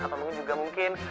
atau mungkin juga mungkin